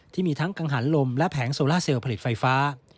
ที่มีทั้งกังหันลมและแผงโซล่าเซลล์ผลิตไฟฟ้า